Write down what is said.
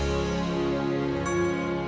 gue juga berpikir